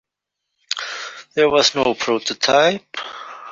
There was no prototype.